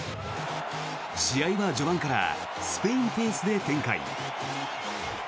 試合は序盤からスペインペースで展開。